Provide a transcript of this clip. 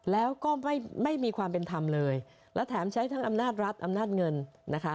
แล้วก็ไม่มีความเป็นธรรมเลยและแถมใช้ทั้งอำนาจรัฐอำนาจเงินนะคะ